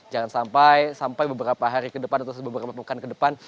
jangan sampai beberapa hari ke depan atau beberapa pekan ke depan